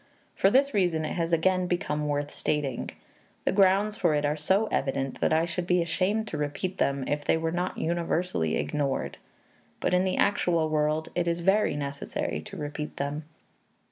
For this reason it has again become worth stating. The grounds for it are so evident that I should be ashamed to repeat them if they were not universally ignored. But in the actual world it is very necessary to repeat them.